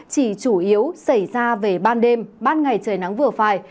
chỉ chủ yếu xảy ra về ban đêm ban ngày trời nắng vừa phải